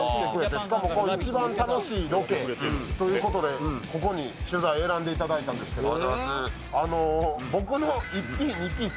しかも一番楽しいロケということでここに取材を選んでいただいたんですけれども。